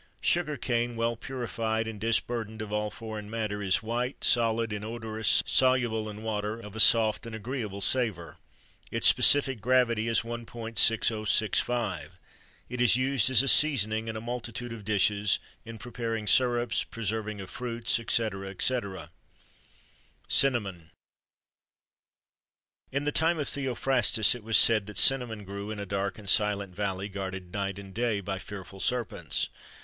[XXIII 72] Sugar cane, well purified, and disburthened of all foreign matter, is white, solid, inodorous, soluble in water, of a soft and agreeable savour. Its specific gravity is 1.6065; it is used as a seasoning in a multitude of dishes, in preparing syrups, preserving of fruits, &c., &c. CINNAMON. In the time of Theophrastus, it was said that cinnamon grew in a dark and silent valley, guarded night and day by fearful serpents.